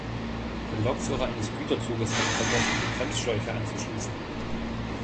Der Lokführer eines Güterzuges hatte vergessen, die Bremsschläuche anzuschließen.